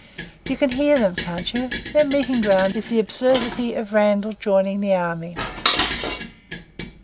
You can hear them, can't you? Their meeting ground is the absurdity of Randall joining the army."